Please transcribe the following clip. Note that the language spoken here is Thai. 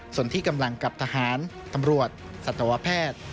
ส่วนที่กำลังกับทหารตำรวจสัตวแพทย์